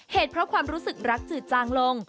เหตุเพราะความรู้สึกรักจืดจางลง